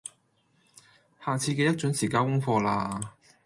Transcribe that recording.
下次記得準時交功課喇